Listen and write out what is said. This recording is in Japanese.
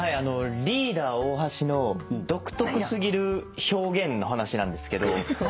リーダー大橋の独特過ぎる表現の話なんですけど。